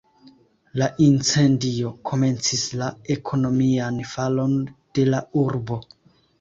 La incendio komencis la ekonomian falon de la urbo.